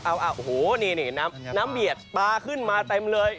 โอ้โหนี่น้ำเบียดปลาขึ้นมาเต็มเลย